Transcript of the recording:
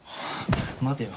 待てよ。